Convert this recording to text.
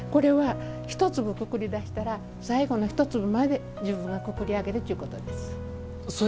これは１粒くくり始めたら最後の１粒まで自分がくくり上げるということです。